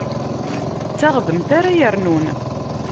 D taɣdemt ara yernun.